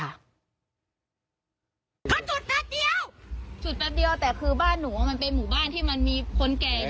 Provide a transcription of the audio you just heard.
เขาจุดแป๊บเดียวจุดแป๊บเดียวแต่คือบ้านหนูมันเป็นหมู่บ้านที่มันมีคนแก่